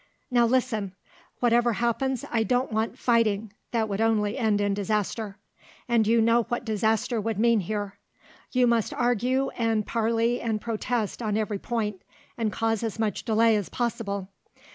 Now listen; whatever happens I don't want fighting; that would only end in disaster; and you know what disaster would mean here. You must argue and parley and protest on every point, and cause as much delay as possible.